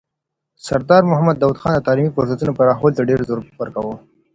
سردار محمد داود خان د تعلیمي فرصتونو پراخولو ته ډېر زور ورکاوه.